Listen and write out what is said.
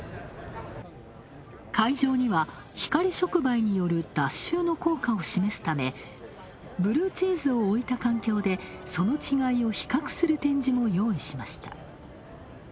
会場には光触媒による脱臭の効果を示すため、ブルーチーズを置いた環境でその違いを比較する展示も用意しました。